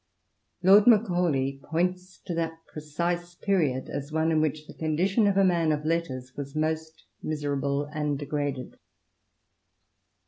Lord Macaulay points to that precise period as one in which the condition of a man of letters was most miserable and degraded.